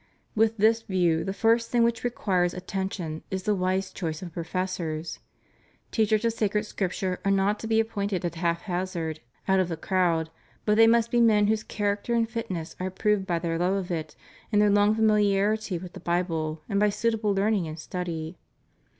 With this view, the first thing which requires attention is the wise choice of professors. Teachers of sacred Scripture are not to be appointed at haphazard out of the crowd; but they must be men whose character and fitness are proved by their love of, and their long familiarity with, the Bible, and by suitable learning and study.